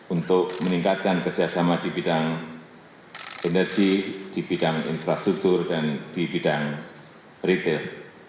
untuk meningkatkan kerjasama di bidang energi di bidang infrastruktur dan di bidang retail